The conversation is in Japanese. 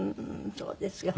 そうですか。